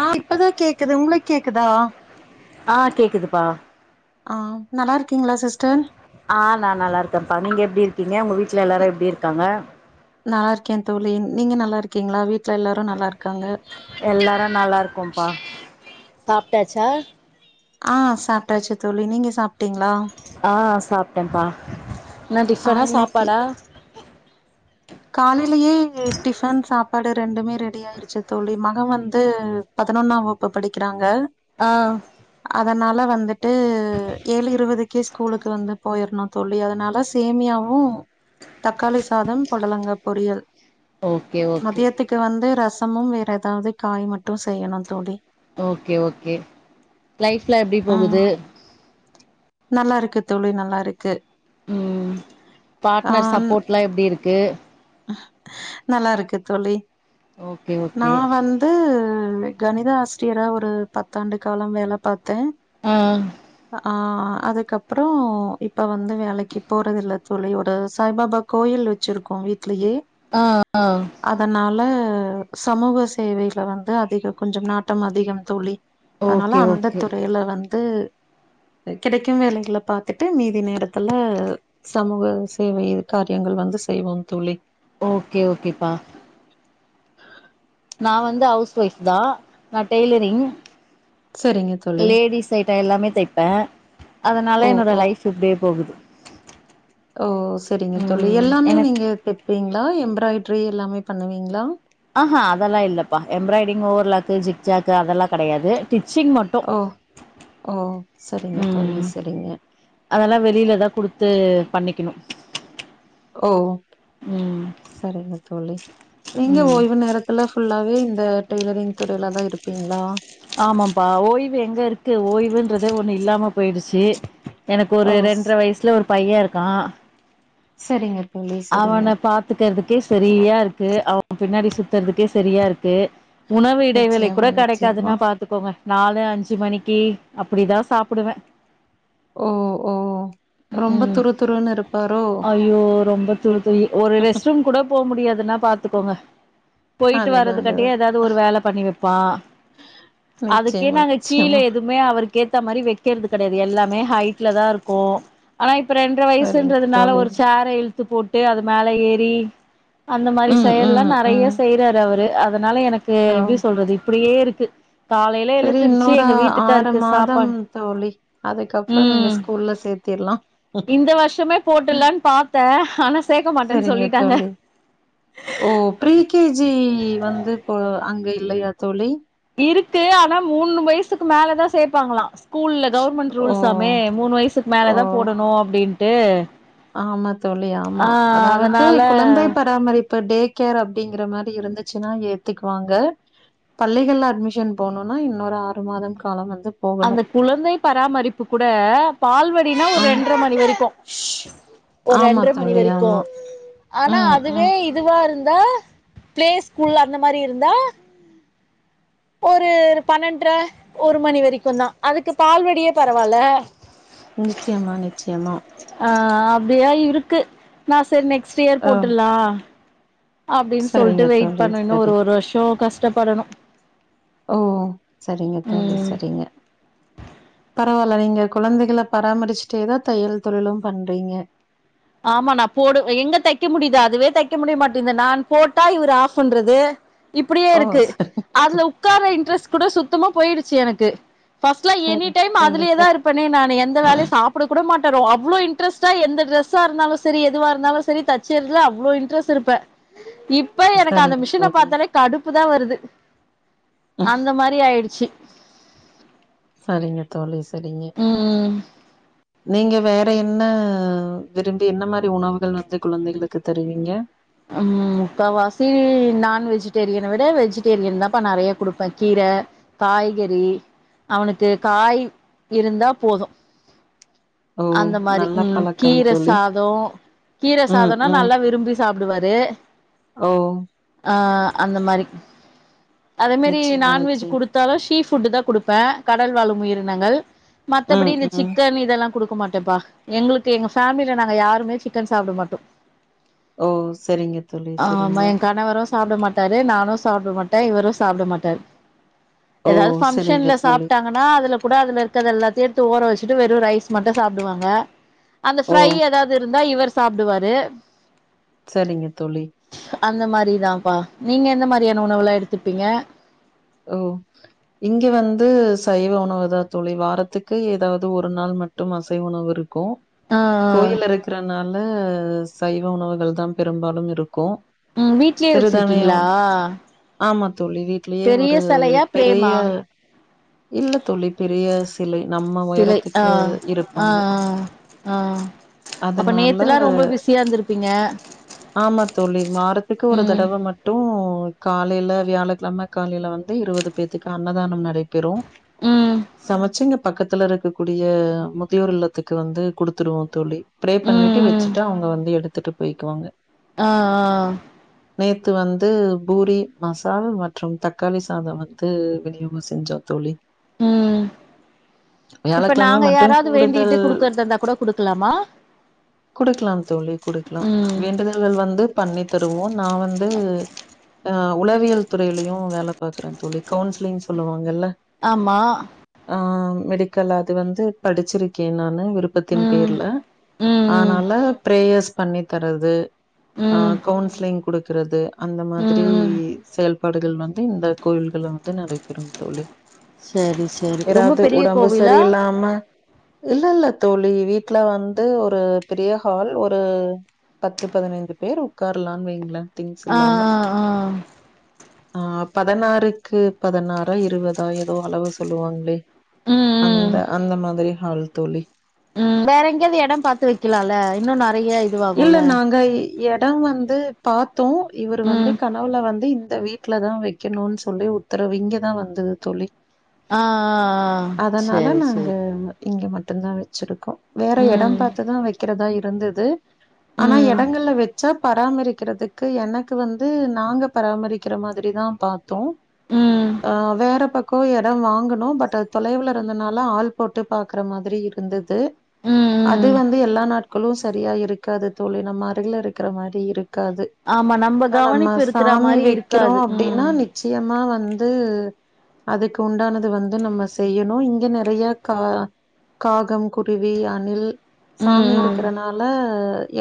ஆ இப்பதா கேக்குது உங்குளுக்கு கேக்குதா ஆ கேக்குதுப்பா ஆ நல்லா இருக்கீங்களா சிஸ்டர் என்னா மூவி வீட்ல எல்லாரு எப்டி இருக்காங்க நல்லா இருக்கே தோழி நீங்க நல்லா இருக்கீங்களா வீட்டுல எல்லாரு நல்லா இருக் எல்லாரு நல்லா இருக்கோம்ப்பா சாப்டாச்சா ஆ சாப்ட்டாச்சு தோழி நீங்க சாப் ஆ சாப்ட்டேம்ப்பா என்னா ஆ டிஃப்னா இன்னைக்கு சாப்பாடா காலையிலயே டிஃபன் சாப்பாடு ரெண்டுமே ரெடி ஆயிருச்சு தோழி மக வந்து பதினொன்னாம் வகுப்பு படிக்கிறாங்க ஆ ல வந்துட்டு ஏழு இருபதுக்கே ஸ்கூலுக்கு வந்து போயிறணு தோழி அதனால சேமியாவு தக்காளி சாதம் பொடலங்கா பொறியல் ஓகே ஓகே மதியத்துக்கு வந்து ரச சமும் வேற ஏதாவது காய் மட்டு செய்யணு தோழி ஓக்கே ஓக்கே லைஃப்ல எப்பிடி ம் போகுது நல்லா இருக்கு தோழி நல்லா இருக்கு ம் ஆ பாட்னர் சப்போட்லா எப்பிடி இருக்கு [inaudible] நல்லா இருக்கு தோழி ஓகே நா ஓகே வந்து [unintelligible] கணித ஆசிரியரா ஒரு பத்தாண்டு காலம் வேல பாத் து ஆ ஆ அதுக்கப்பறோ இப்போ வந்து வேலைக்கு போறது இல்லத் தோழி ஒரு சாய்பாபா கோயில் வெச்சுருக்கோ வீட் ட்லியே ஆ ஆ ஆ சமூக சேவையில வந்து அதிக கொஞ்சு நாட்டம் அதிகம் தோழி அனால ஓகே அந்த ஓகே துறையில வந் து கிடைக்கும் வேலைகள பாத்துட்டு மீதி நேரத்துல சமூக சேவை காரியங்கள் வந்து செய்வோம் தோழி ஓகே ஓகேப்பா நான் வந்து ஹவுஸ் ஃவைப்தா நா டெய்லரிங் சரிங்க தோழி லேடிஸ் ஐட்டோ எல்லாமே தெப்பே அதனால ஓ என்னோட ஓ ஃலைப் இப்புடியே போகுது [inaudible] ஓ செரிங்க தோழி ம் எல்லாமே எனக் நீங்க தெப்பீங் ளா எம்ப்ராய்டரி எல்லாமே பண்ணுவீங்களா ஆஹா அதெல்லா இல்லப்பா எம்ப்ராய்டரிங் ஓரலக்கு ஜிக்ஜாக்கு அதெல்லா கெடயாது ஸ்டிச்சிங் மட்டு ஓ! ஓ! சரிங்க தோழி, உம் சரிங்க. அதெல்லா வெளிலதா குடுத்து பண்ணிக்கணு ஓ ம் சரிங்க தோழி நீங்க ம் ஓய்வு நேரத்துல ஃபுல்லாவே இந்த டெய்லரிங் துறையிலதா இருப்பீங்ளா ஆமாம்பா ஓய்வு எங்க இருக்கு ஓய்வுன்றதே ஒண்ணு இல்லாம பொய்டுச்சு எனக்கு ஓ! ஒரு ஸ் ரென்ட்ர வயசுல ஒரு பையே இருக்கா சரிங்க தோழி, சரிங்க. அவன பாத்துக்றதுக்கே சரியா இருக்கு அவ பின்னாடி சுத்றதுக்கே ச செரியாருக்கு உணவு இடைவெளி நிச்சயமா, கூட நிச்சயமா. கெடைக்காதுன்ன பாத்துக்கோங்க நாலு அஞ்சு மணிக்கி அப்டிதா சாப்புடுவே ஓ ஓ ரொம்ப ம்க்ம். துரு துருன்னு இருப்பாரோ துருத் தோழி ஒரு ரெஸ்ட் ரூம் கூட போ முடியாது துன்னா பாத்துக்கோங்க பொய்டு அதுதான், வர்றதுக்காட்டியு அதுதான். எதாவது ஒரு வேல பண்ணி வெப்பா அதுக்கே நிச்சயமா, நாங்க கீழ நிச்சயமா. எதுமே அவருக் கேத்த மாரி வெக்றது கெடையாது எல்லாமே ஹைட்லதா இருக்கு ஆனா இப் ரெண்ட்ர சரிங்க வயசுன்றதுனால தோழி. ஒரு ஃசேர்ர இழுத்து து போட் டே அது மேல ஏறி அந்த மாரி ம், செயல்லா ம், நெறையா ம். செய்றாரு அவரு அதுனால எனக்கு ஓ! எப்டி சொல்றது இப்டியே இ க்கு காலையில சரி எழுந்துருச்சு இன்னொரு எங்க ஆறு வீட்டுக்காருக்கு மாதம் சாப்பாடு தோழி அதுக்கப்புறோ நீங்க ம் ஸ்கூல்ல சேத்திர்லா இந்த வர்ஷமே போட்டுர்லான்னு பாத்த ஹானஸ் சரிங்க தோழி ஓ ப்ரீ கே ஜி நீ வந்து இப்போ அங்க இல்லையா தோழி இருக்கு ஆனா மூணு வயசுக்கு மேலதான் சேப்பாங்ளா ஸ்கூல்ல கவர்மண்ட் ஓ ரூல்ஸாமே மூணு வயசுக்கு ஓ மேலதா போடணு அப்டின் டே ஆமா தோழி ஆமா அதாவது அதனால குழந்தை கேர் அப்டிங்கிற மாரி இருந்துச்சுன்னா ஏத்துக்குவாங்க பள்ளிகள்ல அட்மிஷன் போட்னுன்னா இன்னொரு ஆறு மாதம் காலம் வந்து போகணு அந்த குழந்தை பராமரிப்பு கூட பால்வடினா ஒரு ஆ ரெண்டரைமணி வரைக்கும் [inaudible] ஒரு ஆமா ரெண்ர மணி தோழி ஆமா வரைக்கும் ஆனா ம் ம் அதுவேஇதுவா இருந் இந்த பிளேஸ்கூல்ல அந்தமாரி இருந்தா ஒரு பன்னெண்ர ஒரு மணிவெறிக்குதா அதுக்கு பால்வடியே பரவால நிச்சயமா நிச்சயமா ஆ அப்படியா இருக்கு நான் செரி நெக்ஸ்ட்யியர் ஆ போட்டுலாம் அப்டின்னு சொல்டு சரிங்க தோழி வெயிட்பனனும் ஒரு சரி ஒருவருஷம் கஷ் கஷ்டப்படணும் ஓ சரிங்க தோலி சரிங்க பத் பரவால நீங்க குழந்தைகள பராமரிச்சுிட்டேதான் தையல் தொழிலும் பண்றீங்க ஆமா நான்போடுவ எங்க தைக்க முடியுது அதுவே தைக்கமுடியமாட்து நான் போட்டா இவரு ஆஃப்பண்றது ஓ இப்படியேயிருக்கு சரி அதுல உட்கார இன்ட்ரெஸ்ட்கூட சுத்தமா போயிடுச் சிஎனக்கு பஸ்ட்ல சரி எனிடைம் தோழி சரி அதுலயேதாயிருப்பனே நானு எந்த வேலயும் சாப்புட கூடமாட் [unintelligible] அவ்ளோ இன்ரஸ்டா எந்தடிரெஸ் சார் இருந்தாலும் சரி எதுவா இருந்தாலும் சரி தச்சறதுல அவ்வுளோ இன்ட்ரெஸ்ட் இருப்ப இப்ப எனக்கு அந்த சரிங்க மிஷின தோழி பார்த்தாலே கடுப் புதா வருது அந்தமாரி ஆயிடுச்சு சரிங்க தோழிஸ் ம் ம் நீங்க வேறயென்ன விரும்பி என்னமாரி உணவுகள் வந்து குழந்தைகளுக்கு தருவீங்க ம் முக்கால்வாசி நான் வெஜிடேரியன் விட வெஜிடேரியன் தான் பா நெறையா கொடுப்பேன் கீற காய்கறி அவனுக்கு காய் இருந்தா போதும் ஓ அந்தமாரி நல்ல ம் பழக்கம் தோழி கீரசாதம் ம் கீரசாதம்னா ம் நல்லாவிரும்பி சாப்டுவாரு ஓ ஆ அந்தமாரி அதேமாரி நிச்சயமா நான்வெஜ் நிச்சயம் குடுத்தாலும் ஷிஃப் புட்டுதான் குடுப்பே கடல்வாழும் உயிரினங்கள் மத்தபடி ம் இந்த ம் சிக்கன் இதெல்லாம் கொடுக்கமாட்டேப்பா எங்குளுக்கு எங்க ஃபேமிலில நான்கயாருமே சிக்கன் சாப்டமாட்டோ ஓ செரிங்க தோழி செரிங்க சாப்டமாட்டாரு நானு சாப்டமாட்டேன் இவரும் சாப்டமாட்டாரு ஓ ஏதாவது சரிங்க ஃபங்க்ஷன்ல தோழி சாப்டாங்கன்னா அதுலகூட அதுலயிருக்கறது எல்லாத்தையுயேடுத்து ஓரோ வச் ட்டு வெறு ரைஸ் மட்டும் சாப்டுவாங்க அந்த ஓ ஃப்ரை ஏதாவது இரு ந்தா இவரு சாப்டுவாரு செரிங்க தோழி அந்த மாரிதாப்பா நீங்க எந்த மாதிரியான உணவுலாம் எடுத்துப்பீங்க ஓ இங்க வந்து சைவ உணவு தான் தோழி வாரத்துக்கு ஏதாவது ஒரு நாள் மட்டும் அசைவ உணவு இரு கூ ஆ கோயில இருக்கறனால சைவ உணவுகள் தா பெரும்பாலும் இருக் ம் வீட்லயே வச்சிருக்கீங்களா ஆமா தோழி வீட்லயே ஒர் பெரிய செலையா பெரிய பிரேமா இல்ல தோழி பெரிய சிலை நம்ம சிலை ஆ உயரத்துக்கு ஆ ஆ இருப்பாங்க ஆ அப்ப அதனால நேத்துலா ரொம்ப பிஸியா இருந்திருப்பீங்க ஆமா தோழி வாரத்துக்கு ஒரு ம் தடவ மட்டு ஒ காலைல வியாழக்கிழம காலைல வந் இருவது பேத்துக்கு அன்னதானம் நடைப் பெறு ம் சமச்சுங்கப் பக்கத்துல இருக்கக்கூடிய முதியோர் இல்லத்துக்கு வந்து குடுத்துருவோ தோழி ப்ரே ம் பண்ணிட்டு ம் வச்சுட்டு அவங்க வந்து எடுத்துட்டுப் போய்க்குவாங்க ஆ ஆ நேத்து வந்து பூரி மசால் மற்றும் தக்காளி ஸ் சாத வந்து விநியோக செஞ்சோ தோழி ம் இப்ப வியாழகிழமை நாங்க மட்டு யாராவது கூடுதல் வேண்டிட்டு குடுக்கறதா இருந்தா கூட குடுக்கலாமா குடுக்கலா தோழி குடுக்கலா ம் வேண்டுதல்கள் வந்து பண்ணி தருவோ நா வந்து அ உளவியல் துறையிலையு உ வேல பாக்குறே தோழி கவுன்சிலிங் சொல்லுவாங்கல்ல ஆமா ஆ மெடிக்கல் அது வந்து படிச்சிருக்கே நா விருப்பத்தின் ம் பேர்ல ம் ம் அதனால பிரேயர்ஸ் பண்ணி தரது ஆ ம் கவுன்சிலிங் குடுக்குறது அந்த ம் மாதிரி ம் செல்ப் [unintelligible] வந் இந்த கோயில்கள்ள வந்து நடைபெறும் தோழி சரி சரி ரொம்ப ஏதாவது பெரிய உடம்பு கோவிலா சரியில்லாம இல்ல இல்ல தோழி வீட்ல வந்து ஒரு பெரிய ஹால் ஒரு பத்து பதினைந்து பேர் உட்காரலான் வைங்ளே ஆ ஆ ஆ ஆ பதனாறுக்கு பதனாறா இருவதா எதோ அளவு சொல்லுவாங்ளே ம் ம் அந்த அந்த மாதிரி ஹால் தோலி ம் வேற எங்கேயாவது எடோ பாத்து வெக்கிலால இன்னு ந றைய இதுவாகுல எடோ வந்து பா த்தோ இவர் வந்து ம் கனவுல வந்து இந்த வீட்ல தா வெக்கணுன் சொல்லி உத்தரவு இங்க தா வந்தது தோலி அ அ அ அ செரி செரி ட்டுந்தா வெச்சுருக்கோ வேற எடோ பாத்துதா வெக்குறதா இரு இருந்தது ஆனா ம் எடங்கள்ல வெச் ச்சா பராமரிக்கிறதுக்கு எனக்கு வந்து நாங்க பராமரிக்கிற மாதிரி தா பாத் தோ ம் அ வேற பக் கோ எடோ வாங்கணோ பட் அது தொலைவுல இருந்தனால ஆள் போட்டு பாக்குற மாதிரி இருந்த து ம் அது ம் வந்து எல்லா நாட்க ட்களு சரியா இருக் க்காது தோழி நம்ம அருகிலருக்கற மாரி இருக் காது ஆமா ஆ நம்ம கவனிப்பு இருக்கிற சாமி மாரி வெக்கிறோ இருக்காது அப்டினா ம் நிச்சயமா வந்து வந்து அதுக்கு உண்டானது வந்து நம்ம செய்யணு இங்க நெறைய கா காகம் குருவி அணில் ம் சாமி ம் இருக்கறனால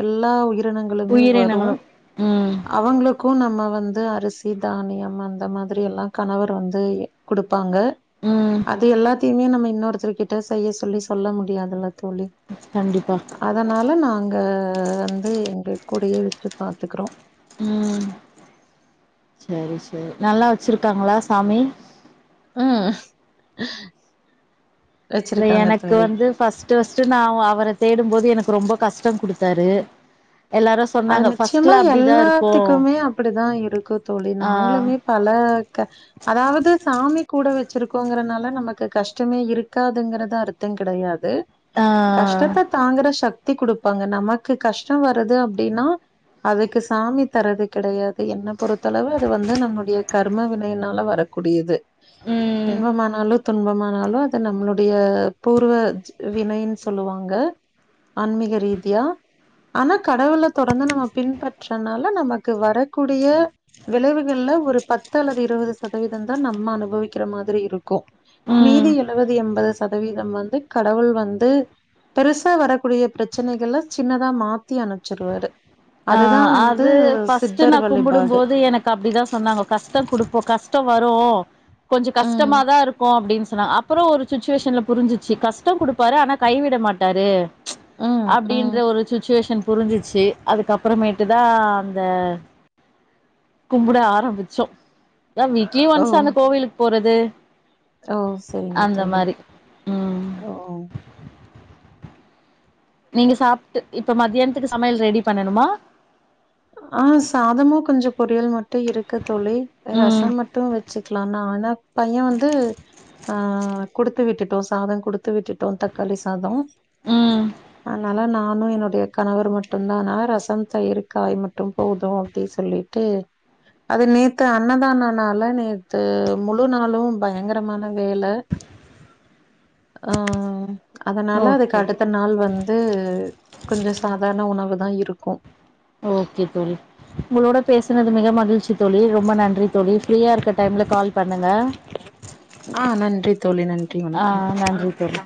எல்லா உயி ரினங்களுமே வரு உயிரினங்களும் ம் அவங்களுக்கு நம்ம வந்து அரிசி தானியம் அந்த மாதிரி எல்லா கணவர் வந்து குடு ப்பாங்க ம் அது எல்லாத்த த்திமே நம்ம இன்னொருத்தருர்கிட்ட செய்ய சொல்லி சொல்ல முடியாததுல்ல தோழி கண்டிப்பா அதனால நா ஆ ஆஹ் வந்து எங்க கூடயே வச்சு பாத்துக்குறோம் உம் சேரி சேர் நல்லா வச்சிருக்காங்களா சாமி உம் இல்ல எனக்கு வந்து ஃபஸ்ட்டு ஃபஸ்டு நா [unintelligible] அவர தேடும்போது எனக்கு ரொம்ப கஷ் டம் குடுத்தாரு எல்லாரு அது சொன்னாங்க ஃபர்ஸ்ட்ல நிச்சியமா அப்டிதா இருக்கு எல்லாத்துக்குமே அப்டிதா இருக்கு தோழி ஆ நாங்ளுமே பல அதாவது சாமி கூட வச் சிருக்கோங்கறனால நமக்கு கஷ்டமே இருக்காதுங்கறது அர்த்த கிடையாது ஆ கஸ்டத்த தாங்குற ஸக் தி குடுப்பாங்க நமக்கு கஷ்டோ வரது அப் டின்னா அதுக்கு சாமி தரது கெடையா து என்ன பொறுத்தளவு அது வந்து நம்முடைய கர்ம வினைனால வரக்கூடியது ம் இன்பமானாலுத் துன்பமானாலு அது நம்மளுடைய பூர்வ ஜெ வினைன்னு சொல்லுவாங்க ஆன்மீக ரீதியா ஆனா கடவுளத் தொடர்ந்து நம்ம பின்பற்றனால நமக்கு வரக்கூடிய விளைவுகல்ல ஒரு பத்து அல்லது இருவது சதவீததா நம்ம அனுபவிக்கிற மாரி இருக்கு மீதி ம் எழுவது எம்பது சதவீதம் வந் து கடவுள் வந்து பெருசா வரக்கூடிய ப்ரச்சனைகள சின்னதா மாத்தி அனுச்சிருவாரு ஆஹ் அது ஃபர்ஸ்ட் சித்தர் நா வழிபாடு. கும்புடும்போது எனக்கு அப்டிதா சொன்னாங்க கஷ்ட குடுப்போ கஷ்டோ வ [unintelligible] கொஞ்ச ம். கஷ்டமாதா இருக்கு அப்டின் [unintelligible] அப்பறோ ஒரு சுச்சுவேஷன்ல புரிஞ்சிச்சு கஷ்டோ குடுப்பாரு ஆனா கைவிட மாட்டாரு ம். ம். அப்டின்ற ஒரு சுச்சுவேஷன் புரிஞ்சிச்சு அதுக்கப்பற மேட்டுதா அந்த கும்புட ஆரம்பிச்சோ அதா வீக்லீ ஓ! ஒன்ஸ் அந்த கோவிலுக்கு போறது ஓ! சரிங்க அந்த தோழி, மாரி சரி. உம் ஓ! நீங்க சாப்ட்டு இப்ப மத்தியானத்துக்கு சமையல் ரெடி பண்ணணுமா ஆஹ் சாதமும் கொஞ்சோ பொரியலு மட் டு இருக்கு தோழி ம் ரசம் மட்டும் வச்சுக்கலா ஆனா பையன் வந்து ஆ குடுத்து விட்டுட்டோ சாதம் குடுத்து விட்டுட்டோ தக்காளி சாதம் ம் அதுனால நா நானும் என்னுடைய கணவர் மட்டும்தானா ரசம் [unintelligible] காய் மட்டு போது அப்டி சொல்லிட்டு அது நேத்து அன்னதானனால நேத்து முழு நாளு பயங்கரமான வேல ஆ அதனால அதுக்கு ஓகே அடுத்த நாள் வந்து கொஞ்சோ சாதாரண உணவு தா இருக்கு ஓகே தோழி உங்களோட பேசுனது மிக மகிழ்ச்சி தோழி ரொம்ப நன் றி தோழி ஃப்ரியா இருக்க டைம்லே கால் பண்ணுங்க ஆ நன்றி தோழி நன்றி வணக்கம் ஆஹ் நன்றி தோழி